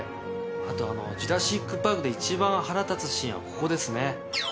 あと『ジュラシック・パーク』で一番腹立つシーンはここですね。